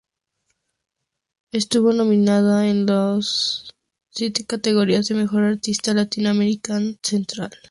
Estuvo nominada en los en la categoría Mejor Artista Latin American Central.